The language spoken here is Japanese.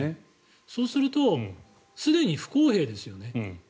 そうするとすでに不公平ですよね。